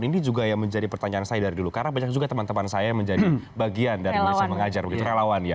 ini juga yang menjadi pertanyaan saya dari dulu karena banyak juga teman teman saya yang menjadi bagian dari indonesia mengajar begitu relawan ya